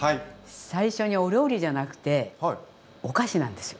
最初にお料理じゃなくてお菓子なんですよ。